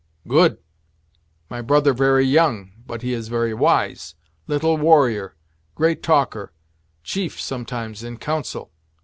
"Good! My brother very young but he is very wise. Little warrior great talker. Chief, sometimes, in council."